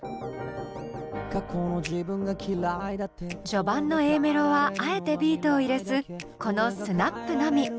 序盤のＡメロはあえてビートを入れずこのスナップのみ。